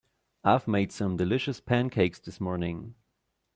I've made some delicious pancakes this morning.